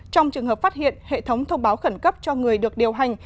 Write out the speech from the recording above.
trong trường hợp phát hiện hệ thống thông báo khẩn cấp cho người được điều hành